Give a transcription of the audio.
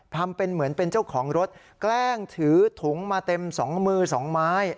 ทำเป็นเหมือนเป็นเจ้าของรถแกล้งถือถุงมาเต็มสองมือสองไม้